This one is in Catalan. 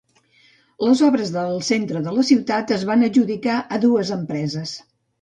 Les obres del centre de la ciutat es van adjudicar a dues empreses.